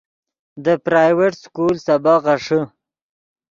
دے پرائیویٹ سکول سبق غیݰے